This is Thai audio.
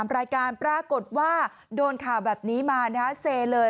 ๕๗๓รายการปรากฏว่าโดนข่าวแบบนี้มาเสร็จเลย